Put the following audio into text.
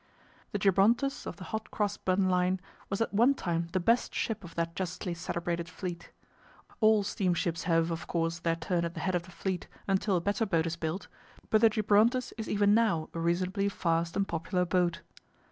The Gibrontus of the Hot Cross Bun Line was at one time the best ship of that justly celebrated fleet. All steamships have, of course, their turn at the head of the fleet until a better boat is built, but the Gibrontus is even now a reasonably fast and popular boat.